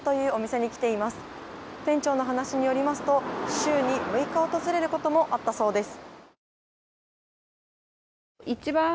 店長の話によりますと週に６日訪れることもあったそうです。